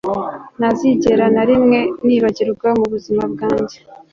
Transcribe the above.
ntazigera na rimwe nibagirwa mu buzima bwanjye